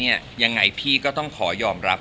ยังไงพี่ก็ต้องขอยอมรับ